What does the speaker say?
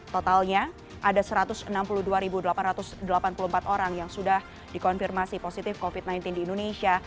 totalnya ada satu ratus enam puluh dua delapan ratus delapan puluh empat orang yang sudah dikonfirmasi positif covid sembilan belas di indonesia